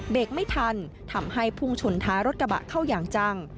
เบรกไม่ทันทำให้ภูมิชนท้ารถกระบะเข้าอย่างจัง